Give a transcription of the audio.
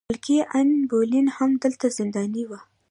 ملکې ان بولین هم دلته زنداني وه.